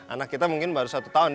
anak kita mungkin baru satu tahun